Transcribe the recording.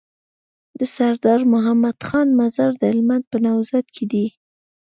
دسردار مدد خان مزار د هلمند په نوزاد کی دی